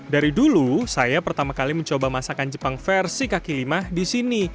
dari dulu saya pertama kali mencoba masakan jepang versi kaki lima di sini